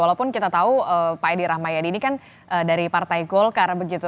walaupun kita tahu pak edi rahmayadi ini kan dari partai golkar begitu